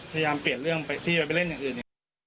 พยายามเปลี่ยนเรื่องที่จะไปเล่นอย่างอื่น